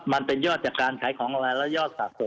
มันเป็นยอดจากการใช้ของรายละยอดสะสม